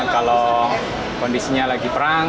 kalau kondisinya lagi perang